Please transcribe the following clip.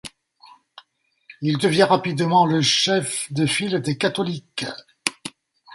Il devient rapidement le chef de file des catholiques.